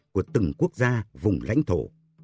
của từng quốc gia vùng lãnh thổ